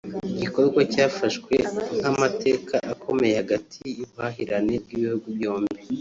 igikorwa cyafashwe nk’amateka akomeye hagati y’ubuhahirane bw’ibihugu byombi